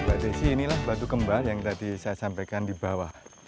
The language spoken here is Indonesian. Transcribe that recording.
mbak desi inilah batu kembar yang tadi saya sampaikan di bawah